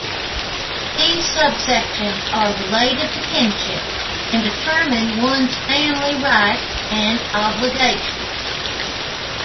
These subsections are related to kinship, and determine one's family rights and obligations.